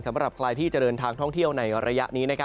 สำหรับใครที่จะเดินทางท่องเที่ยวในระยะนี้